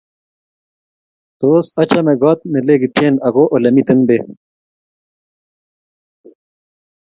tos achame koot nelegityen ago olemiten beek